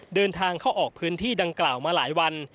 เดินทางเข้าออกพื้นที่ดังกล่าวมาหลายวัน